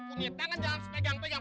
punya tangan jangan sepegang pegang